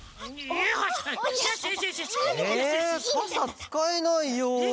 えかさつかえないよ。